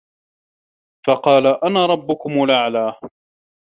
فَقالَ أَنا رَبُّكُمُ الأَعلى